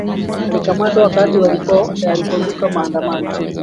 walikamatwa wakati walipoo yalipozuka maandamano